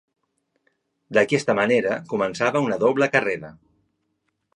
D'aquesta manera, començava una doble carrera.